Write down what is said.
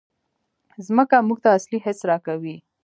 مځکه موږ ته اصلي حس راکوي.